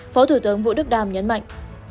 phó thủ tướng vũ đức đam nhấn mạnh